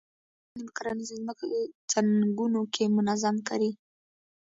ولې خلک ونې په کرنیزو ځمکو څنګونو کې منظم کري.